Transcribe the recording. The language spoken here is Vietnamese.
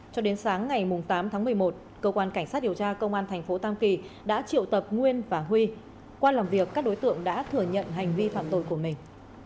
cho đến sáng ngày tám tháng một mươi một cơ quan cảnh sát điều tra công an thành phố tam kỳ đã triệu tập nguyên và huy qua làm việc các đối tượng đã thừa nhận hành vi phạm tội của mình